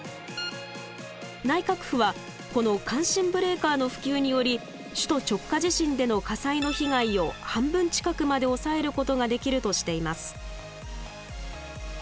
内閣府はこの感震ブレーカーの普及により首都直下地震での火災の被害を半分近くまで抑えることができるとしています。